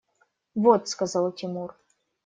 – Вот! – сказал Тимур.